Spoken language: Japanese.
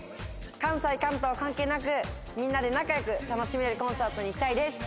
関西関東関係なくみんなで仲良く楽しめるコンサートにしたいです。